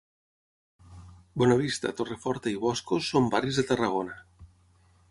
Bonavista, Torreforta i Boscos són barris de Tarragona.